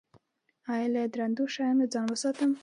ایا له درندو شیانو ځان وساتم؟